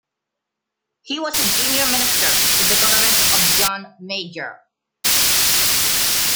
He was a junior minister in the government of John Major.